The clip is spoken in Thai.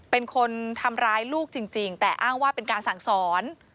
เป็นคนทำร้ายลูกจริงแต่อ้างว่าเป็นการสั่งสอน